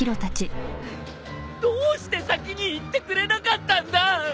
どうして先に言ってくれなかったんだ！